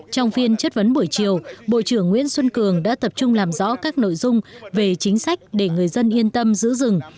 trong phiên chất vấn buổi chiều bộ trưởng nguyễn xuân cường đã tập trung làm rõ các nội dung về chính sách để người dân yên tâm giữ rừng